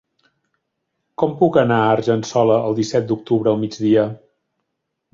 Com puc anar a Argençola el disset d'octubre al migdia?